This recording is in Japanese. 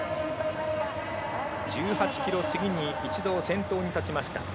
１８ｋｍ過ぎに一度、先頭に立ちました。